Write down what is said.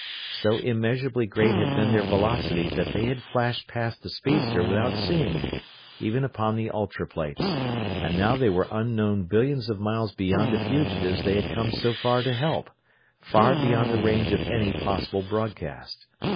So immeasurably great had been their velocity that they had flashed past the speedster without seeing it, even upon the ultra plates, and now they were unknown billions of miles beyond the fugitives they had come so far to help far beyond the range of any possible broadcast.